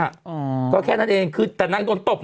อ๋อก็แค่นั้นเองคือแต่นางโดนตบ